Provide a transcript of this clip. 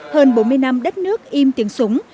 hơn bốn mươi năm đất nước im tiếng súng